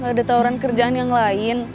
gak ada tawaran kerjaan yang lain